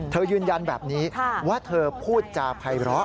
ยืนยันแบบนี้ว่าเธอพูดจาภัยร้อ